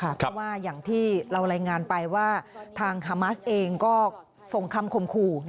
เพราะว่าอย่างที่เรารายงานไปว่าทางฮามาสเองก็ส่งคำคมขู่